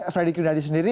fredy kudadi sendiri